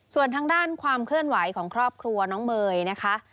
ส่วนทางด้านความเคลื่อนไหวของครอบครัวน้องเมย์นะคะ